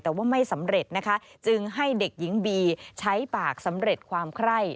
แต่ว่าไม่สำเร็จนะคะจึงให้เด็กหญิงบีใช้ปากสำเร็จความไคร้